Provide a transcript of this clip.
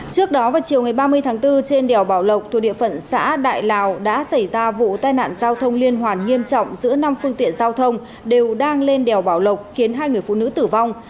trước đó vào chiều ngày ba mươi tháng bốn trên đèo bảo lộc thuộc địa phận xã đại lào đã xảy ra vụ tai nạn giao thông liên hoàn nghiêm trọng giữa năm phương tiện giao thông đều đang lên đèo bảo lộc khiến hai người phụ nữ tử vong